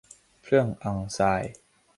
เครื่องอังทราย